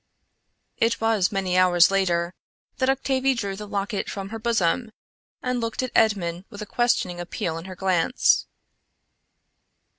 It was many hours later that Octavie drew the locket from her bosom and looked at Edmond with a questioning appeal in her glance.